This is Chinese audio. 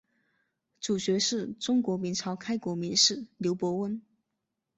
主角是中国明朝开国名士刘伯温。